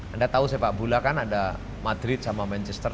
anda tahu saya pak bula kan ada madrid sama manchester